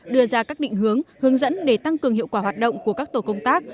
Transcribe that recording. đưa ra các định hướng hướng dẫn để tăng cường hiệu quả hoạt động của các tổ công tác